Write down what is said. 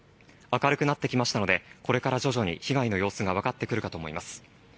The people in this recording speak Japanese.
明るくなってきましたので、これから徐々に被害の様子がわかってくるかと思います。